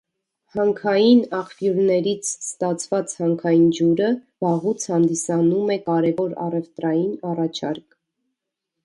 Հանքային աղբյուրներից ստացված հանքային ջուրը վաղուց հանդիսանում է կարևոր առևտրային առաջարկ։